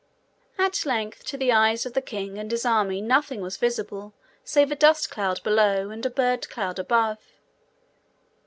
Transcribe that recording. At length to the eyes of the king and his army nothing was visible save a dust cloud below, and a bird cloud above.